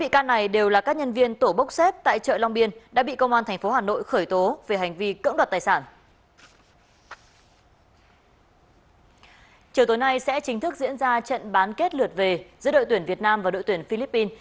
chiều tối nay sẽ chính thức diễn ra trận bán kết lượt về giữa đội tuyển việt nam và đội tuyển philippines